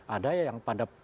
ada ya yang tergantung